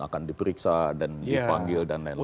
akan diperiksa dan dipanggil dan lain lain